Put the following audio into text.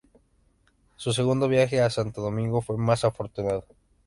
Su segundo viaje a Santo Domingo fue más afortunado.